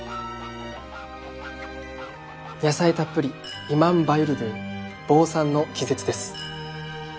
野菜たっぷりイマム・バユルドゥ「坊さんの気絶」です。